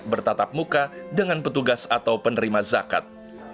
bertatap muka dengan petugas atau penerima zakat